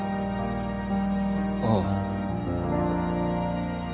ああ。